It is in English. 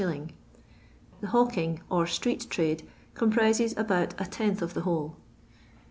The hawking or street trade comprises about a tenth of the whole.